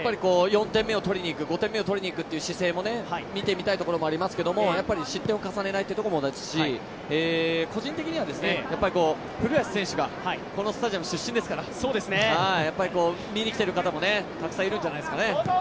４点目、５点目を取りに行く姿勢を見ておきたいところもありますけどやはり失点を重ねないというところでもですし、個人的には古橋選手がこのスタジアム出身ですから見に来てる方もたくさんいるんじゃないですかね。